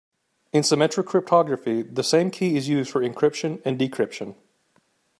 In symmetric cryptography the same key is used for encryption and decryption.